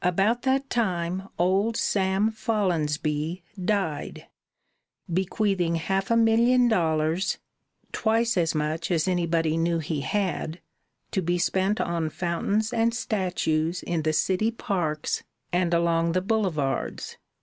About that time old Sam Follonsby died, bequeathing half a million dollars twice as much as anybody knew he had to be spent on fountains and statues in the city parks and along the boulevards.